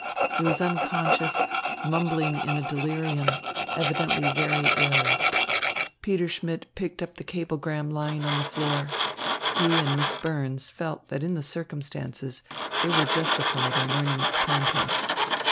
He was unconscious, mumbling in a delirium, evidently very ill. Peter Schmidt picked up the cablegram lying on the floor. He and Miss Burns felt that in the circumstances they were justified in learning its contents.